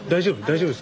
大丈夫？